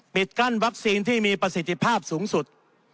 กั้นวัคซีนที่มีประสิทธิภาพสูงสุด